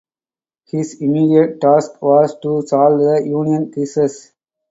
His immediate task was to solve the union crisis.